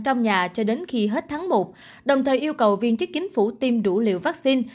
trong nhà cho đến khi hết tháng một đồng thời yêu cầu viên chức chính phủ tiêm đủ liều vaccine